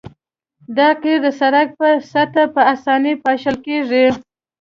دا قیر د سرک په سطحه په اسانۍ پاشل کیږي